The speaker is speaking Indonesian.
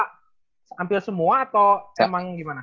hampir semua atau emang gimana